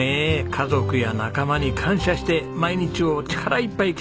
家族や仲間に感謝して毎日を力いっぱい生きたい。